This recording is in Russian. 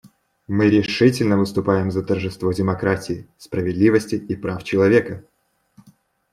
Мы решительно выступаем за тожество демократии, справедливости и прав человека.